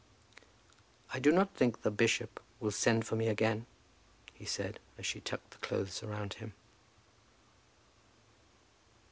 "I do not think the bishop will send for me again," he said, as she tucked the clothes around him.